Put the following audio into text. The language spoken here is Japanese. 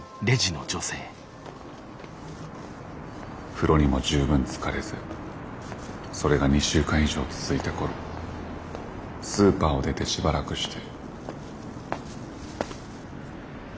風呂にも十分つかれずそれが２週間以上続いた頃スーパーを出てしばらくして。